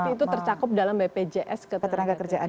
itu tercakup dalam bpjs ketenagakerjaan